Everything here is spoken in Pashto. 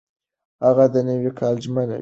هغه د نوي کال ژمنه وکړه.